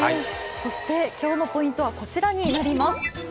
そして今日のポイントはこちらになります。